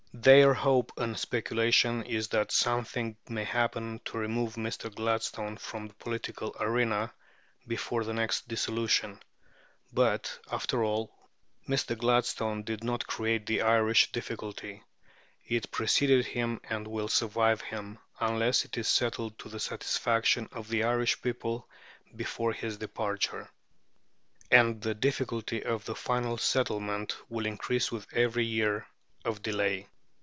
Their hope and speculation is that something may happen to remove Mr. Gladstone from the political arena before the next dissolution. But, after all, Mr. Gladstone did not create the Irish difficulty. It preceded him and will survive him, unless it is settled to the satisfaction of the Irish people before his departure. And the difficulty of the final settlement will increase with every year of delay.